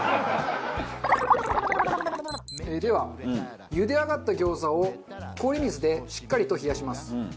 では茹で上がった餃子を氷水でしっかりと冷やします。